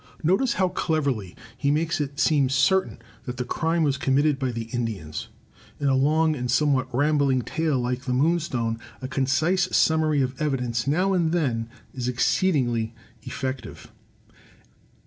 '* Notice how cleverly he makes it seem certain that the crime was committed by the Indians. In a long and some what rambling tale like "The Moonstone," a concise sum mary of evidence now and then is exceedingly effective.